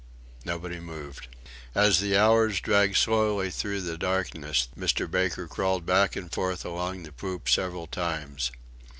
Nobody moved. As the hours dragged slowly through the darkness Mr. Baker crawled back and forth along the poop several times.